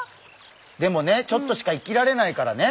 でもねちょっとしか生きられないからね